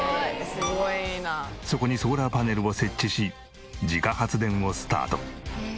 そこにソーラーパネルを設置し自家発電をスタート。